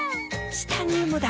チタニウムだ！